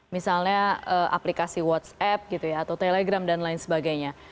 misalnya aplikasi whatsapp gitu ya atau telegram dan lain sebagainya